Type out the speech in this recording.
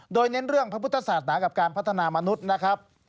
โดยเน้นเรื่องพระพุทธศาสนากับการพัฒนามนุษย์นะครับ